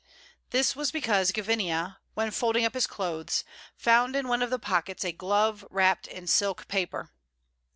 This was because Gavinia, when folding up his clothes, found in one of the pockets a glove wrapped in silk paper.